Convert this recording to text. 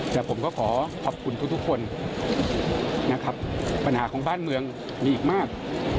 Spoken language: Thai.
แต่ผมก็ขอขอบคุณทุกคนนะครับปัญหาของบ้านเมืองมีอีกมาก